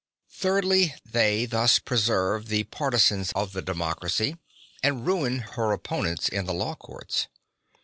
Thirdly, they thus preserve the partisans of the democracy, and ruin her opponents in the law courts.